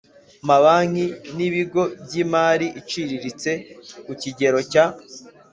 Mabanki N Ibigo By Imari Iciriritse Ku Kigero Cya